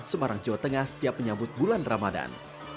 semarang jawa tengah setiap menyambut bulan ramadan